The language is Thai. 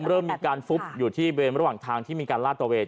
เริ่มมีการฟุบอยู่ที่เวรระหว่างทางที่มีการลาดตะเวน